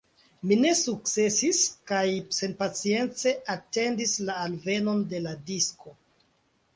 Mi ne sukcesis, kaj senpacience atendis la alvenon de la disko.